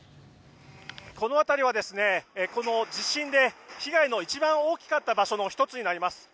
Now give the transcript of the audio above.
この辺りはこの地震で被害が一番大きかった場所の１つになります。